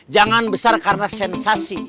jangan besar karena sensasi